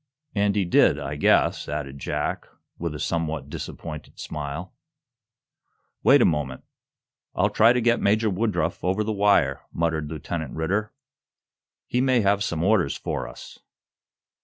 And he did, I guess," added Jack, with a somewhat disappointed smile. "Wait a moment. I'll try to get Major Woodruff over the wire," muttered Lieutenant Ridder. "He may have some orders for us."